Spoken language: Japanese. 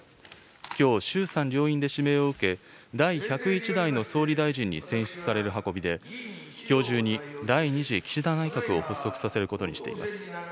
きょう、衆参両院で指名を受け、第１０１代の総理大臣に選出される運びで、きょう中に第２次岸田内閣を発足させることにしています。